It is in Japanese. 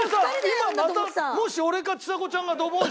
今またもし俺かちさ子ちゃんがドボンしてさ